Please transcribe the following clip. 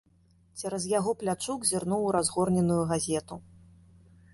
Цераз яго плячук зірнуў у разгорненую газету.